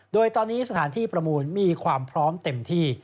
โดยตอนนี้สถานที่ประมูลมีความพร้อมเต็มที่